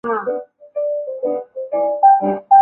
托特纳姆谷站现在正在安装自动月台门。